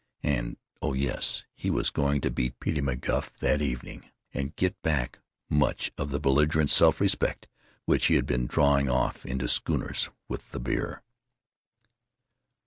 And, oh yes, he was going to beat Petey McGuff that evening, and get back much of the belligerent self respect which he had been drawing off into schooners with the beer.